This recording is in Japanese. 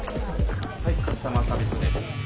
はいカスタマーサービス部です。